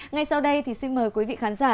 ngay sau đây thì xin mời quý vị khán giả